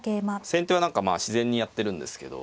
先手は何かまあ自然にやってるんですけど。